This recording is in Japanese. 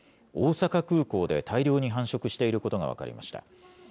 大阪空港で大量に繁殖していることが分かりました。